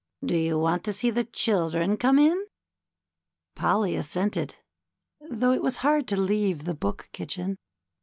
Do you want to see the chil dren come in ? Polly assented, though it was hard to leave the Book Kitchen.